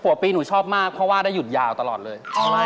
ปีหนูชอบมากเพราะว่าได้หยุดยาวตลอดเลย